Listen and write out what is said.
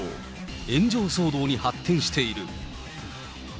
炎上騒動に発展している。